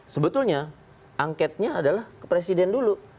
sebetulnya angketnya adalah ke presiden dulu